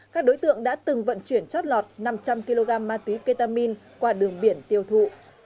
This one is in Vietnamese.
các đối tượng đã từng vận chuyển chót lọt năm trăm linh kg ma túy ketamin qua đường biển tiêu thụ